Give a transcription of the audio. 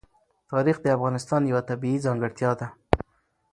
تاریخ د افغانستان یوه طبیعي ځانګړتیا ده.